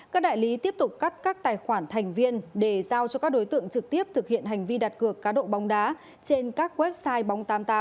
các đại lý tiếp tục cắt các tài khoản thành viên để giao cho các đối tượng trực tiếp thực hiện hành vi đặt cược cá độ bóng đá trên các website bóng tám mươi tám